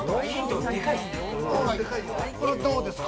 これはどうですか？